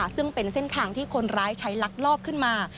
ซึ่งเป็นเส้นทางที่คนร้ายใช้ลักลอบขึ้นมา